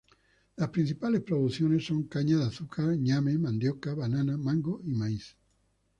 Las principales producciones son caña de azúcar, ñame, mandioca, banana, mango y maíz.